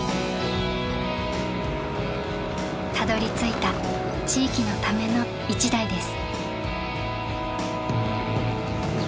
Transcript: たどりついた地域のための一台です。